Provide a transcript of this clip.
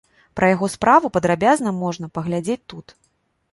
Пра яго справу падрабязна можна паглядзець тут.